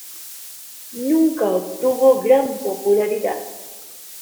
Nunca obtuvo gran popularidad.